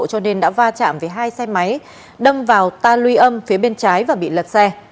cho nên đã va chạm với hai xe máy đâm vào ta luy âm phía bên trái và bị lật xe